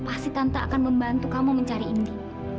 pasti tante akan membantu kamu mencari indi